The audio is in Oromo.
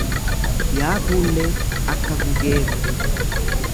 Yaa kuullee akka gugee ko.